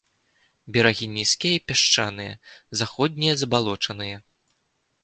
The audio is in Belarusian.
Берагі нізкія і пясчаныя, заходнія забалочаныя.